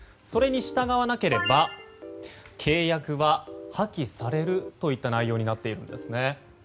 それに従わなければ契約は破棄されるといった内容になっているんですね。